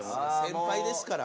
先輩ですから。